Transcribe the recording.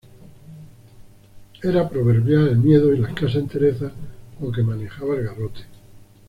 Era proverbial el miedo y la escasa entereza con que manejaba el garrote.